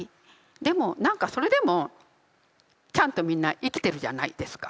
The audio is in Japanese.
でも何かそれでもちゃんとみんな生きてるじゃないですか。